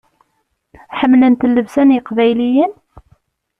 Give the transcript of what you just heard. Ḥemmlent llebsa n yeqbayliyen?